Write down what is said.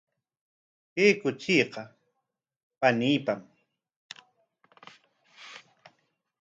Kay kuchiqa paniipam.